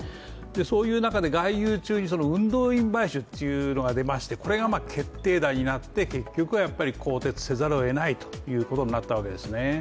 そういう中で、外遊中に運動員買収というのが出ましてこれが決定打になって結局は更迭せざるをえないということになったわけですね。